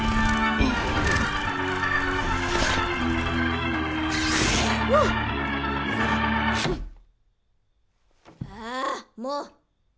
・ああもう！